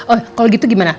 oh kalau gitu gimana